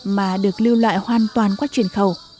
mà được lưu lại hoàn toàn qua truyền khẩu